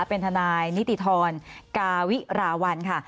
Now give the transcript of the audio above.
เป็นทนายนิติธรกาวิราวัลค่ะ